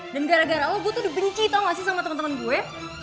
dan gara gara lo gue tuh dibenci tau gak sih sama temen temen gue